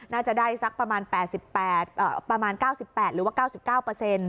น่าจะได้สักประมาณ๘ประมาณ๙๘หรือว่า๙๙